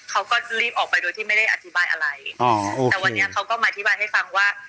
เขาก็รีบออกไปโดยที่ไม่ได้อธิบายอะไรอ๋อแต่วันนี้เขาก็มาอธิบายให้ฟังว่า